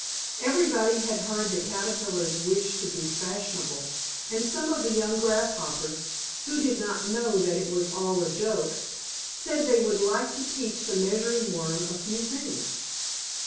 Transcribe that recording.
Everybody had heard of the Caterpillars' wish to be fashionable, and some of the young Grasshoppers, who did not know that it was all a joke, said they would like to teach the Measuring Worm a few things.